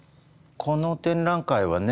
この展覧会はね